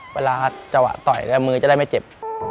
เวลาจะหวัดต่อยกันมือจะได้ไม่เจ็บ